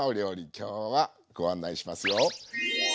今日はご案内しますよ。